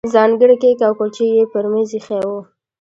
ځانګړي کیک او کولچې یې پر مېز ایښي وو.